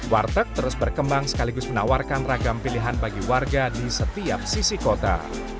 warteg terus berkembang sekaligus menawarkan ragam pilihan bagi warga di setiap sisi kota